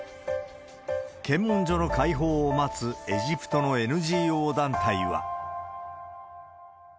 検問所の開放を待つエジプトのＮＧＯ団体は。